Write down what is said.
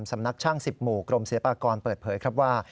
สำนักช่าง๑๐หมู่กรมศิลปากรเปิดเผยครับว่า